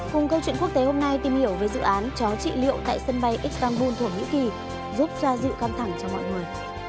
cùng câu chuyện quốc tế hôm nay tìm hiểu về dự án chó trị liệu tại sân bay istanbul thuộc mỹ kỳ giúp gia dịu cam thẳng cho mọi người